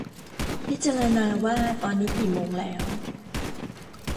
พิจารณาว่าตอนนี้กี่โมงแล้ว